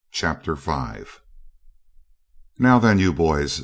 Chapter 5 'Now then, you boys!'